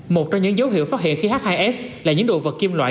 một trong những dấu hiệu phát hiện khí h hai s là những đồ vật kim loại